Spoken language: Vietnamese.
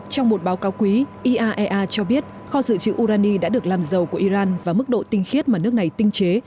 trong một báo cáo quý iaea cho biết kho dự trữ urani đã được làm dầu của iran và mức độ tinh khiết mà nước này tinh chế